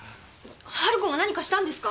ハル子が何かしたんですか？